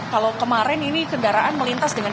kalau kemarin ini kendaraan melintas dengan